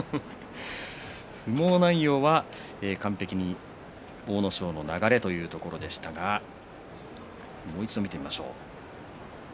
相撲内容は、完璧に阿武咲の流れというところでしたがもう一度、見てみましょう。